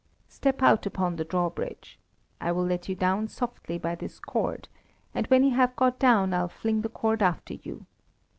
Step out upon the drawbridge. I will let you down softly by this cord, and when you have got down I'll fling the cord after you.